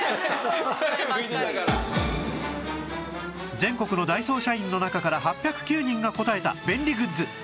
全国のダイソー社員の中から８０９人が答えた便利グッズ